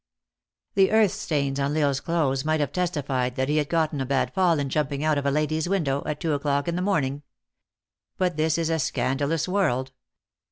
The earth stains on L Isle s clothes might have testified that he had gotten a bad fall in jumping out of a lady s window, at two o clock in the morning. But this is a scandalous world.